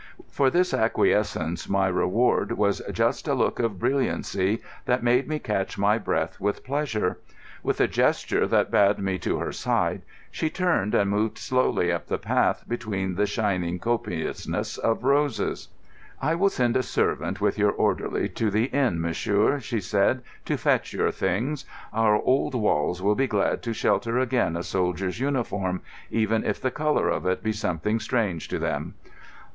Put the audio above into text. For this acquiescence my reward was just a look of brilliancy that made me catch my breath with pleasure. With a gesture that bade me to her side she turned and moved slowly up the path, between the shining copiousness of roses. [Illustration: "'It is I who must ask forgiveness,' she said softly, holding out her hand" (page 192).] "I will send a servant with your orderly to the inn, monsieur," she said, "to fetch your things. Our old walls will be glad to shelter again a soldier's uniform, even if the colour of it be something strange to them."